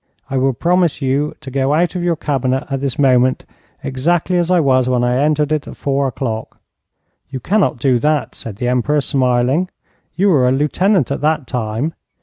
I will promise you to go out of your cabinet at this moment exactly as I was when I entered it at four o'clock.' 'You cannot do that,' said the Emperor, smiling. 'You were a lieutenant at that time.